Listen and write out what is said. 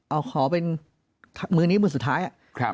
เอาขอเป็นค่ะมือนี้มันสุดท้ายครับ